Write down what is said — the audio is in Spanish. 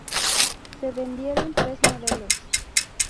Se vendieron tres modelos.